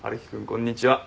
こんにちは。